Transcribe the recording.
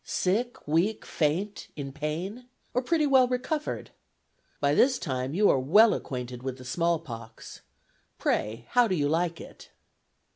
Sick, weak, faint, in pain, or pretty well recovered? By this time, you are well acquainted with the small pox. Pray, how do you like it?"